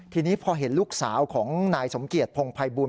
ทีนี้พอเห็นลูกสาวของนายสมเกียจพงภัยบูล